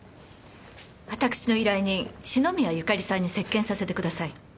私の依頼人篠宮ゆかりさんに接見させてください。